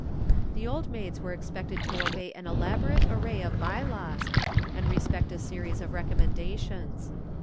The Old Maids were expected to obey an elaborate array of by laws, and respect a series of recommendations.